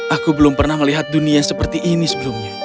aku belum pernah melihat dunia seperti ini sebelumnya